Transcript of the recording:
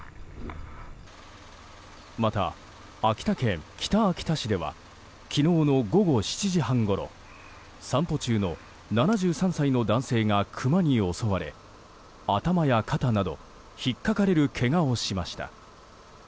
また、秋田県北秋田市では昨日の午後７時半ごろ散歩中の７３歳の男性がクマに襲われ頭や肩など引っかかれるけがをしました。